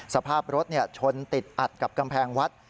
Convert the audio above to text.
สภาพรถชนติดอัดกับกำแพงวัด